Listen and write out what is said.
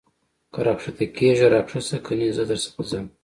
که را کښته کېږې را کښته سه کنې زه در څخه ځم.